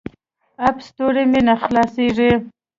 اپ سټور مې نه خلاصیږي.